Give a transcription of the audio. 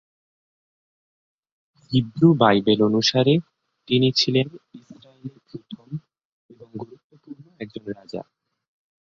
Hebrew Bible অনুসারে, তিনি ছিলেন ইসরায়েলের প্রথম এবং গুরুত্বপূর্ণ একজন রাজা।